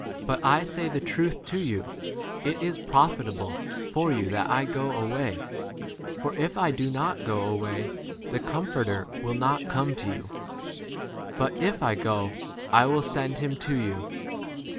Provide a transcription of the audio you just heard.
But I * say the truth to you, It is profitable for you that I * go away ; for if I do not go away the Comforter will not come to you; but if I go I 8 will send him to you.